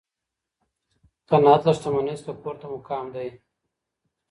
قناعت له شتمنۍ څخه پورته مقام دی.